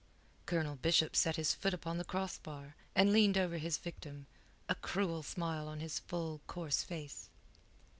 Colonel Bishop set his foot upon the crossbar, and leaned over his victim, a cruel smile on his full, coarse face.